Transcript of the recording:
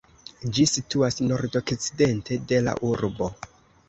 Ĝi situas nordokcidente de la urbo.